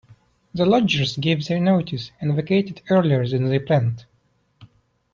The lodgers gave their notice and vacated earlier than they planned.